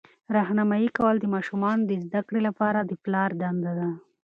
راهنمایي کول د ماشومانو د زده کړې لپاره د پلار دنده ده.